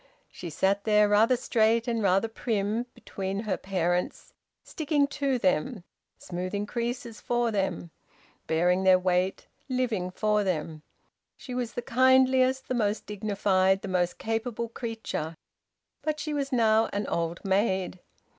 She sat there rather straight and rather prim between her parents, sticking to them, smoothing creases for them, bearing their weight, living for them. She was the kindliest, the most dignified, the most capable creature; but she was now an old maid.